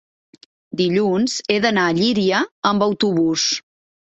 Dilluns he d'anar a Llíria amb autobús.